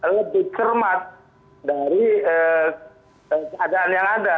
lebih cermat dari keadaan yang ada